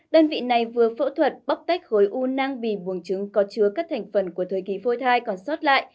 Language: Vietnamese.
đơn vị này vừa phẫu thuật bóc tách khối u năng vì buồng chứng có chứa các thành phần của thời kỳ phôi thai còn sót lại